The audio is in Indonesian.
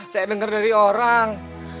saya dengar dari orang